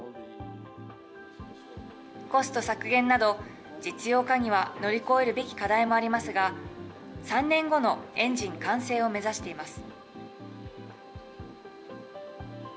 コスト削減など、実用化には乗り越えるべき課題もありますが、３年後のエンジン完成を目指しています。